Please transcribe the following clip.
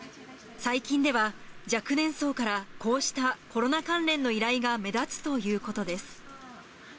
最近では、若年層からこうしたコロナ関連の依頼が目立つということです。